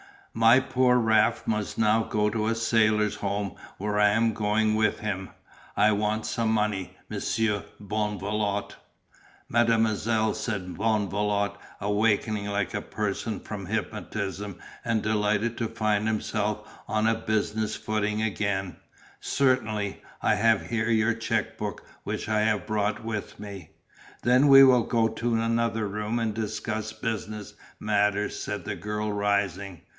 My poor Raft must now go to the Sailors' Home where I am going with him. I want some money, Monsieur Bonvalot." "Mademoiselle," said Bonvalot, awaking like a person from hypnotism and delighted to find himself on a business footing again, "certainly, I have here your cheque book which I have brought with me." "Then we will go to another room and discuss business matters," said the girl rising.